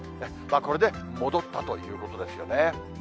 これで戻ったということですよね。